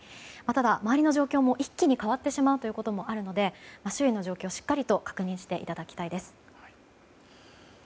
ただ、周りの状況も一気に変わってしまうこともあるので周囲の状況をしっかり確認していただきたいです。